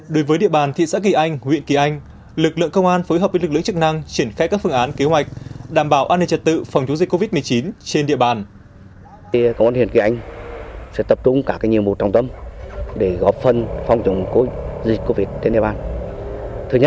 đối với địa bàn thị xã kỳ anh huyện kỳ anh lực lượng công an phối hợp với lực lượng chức năng triển khai các phương án kế hoạch đảm bảo an ninh trật tự phòng chống dịch covid một mươi chín trên địa bàn